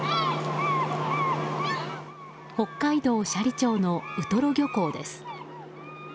北海道斜里町のウトロ漁港です。